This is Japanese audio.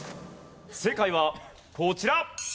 正解はこちら。